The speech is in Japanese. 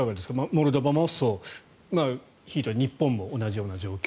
モルドバもそうひいては日本も同じような状況。